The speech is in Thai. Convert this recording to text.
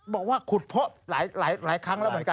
บอกว่าขุดพบหลายครั้งแล้วเหมือนกัน